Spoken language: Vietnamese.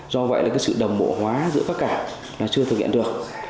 do vậy là sự đồng bộ hóa giữa tất cả chưa thực hiện được